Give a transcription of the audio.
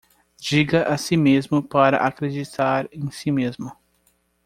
Diga a si mesmo para acreditar em si mesmo